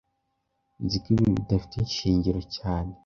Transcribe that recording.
Nzi ko ibi bidafite ishingiro cyane